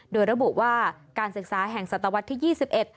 โดยระบุว่าการศึกษาแห่งศตวรรษที่ยี่สิบเอ็ด